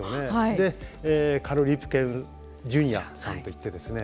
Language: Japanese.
で、カル・リプケン・ジュニアさんといってですね